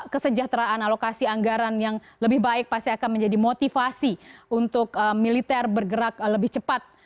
kesejahteraan alokasi anggaran yang lebih baik pasti akan menjadi motivasi untuk militer bergerak lebih cepat